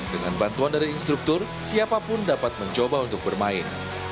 dengan bantuan dari instruktur siapapun dapat mencoba untuk bermain